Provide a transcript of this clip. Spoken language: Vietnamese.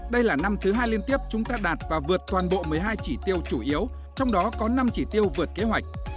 đây là năm thứ hai liên tiếp chúng ta đạt và vượt toàn bộ một mươi hai chỉ tiêu chủ yếu trong đó có năm chỉ tiêu vượt kế hoạch